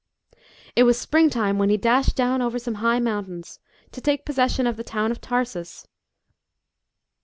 It was spring time when he dashed down over some high mountains, to take possession of the town of Tarsus.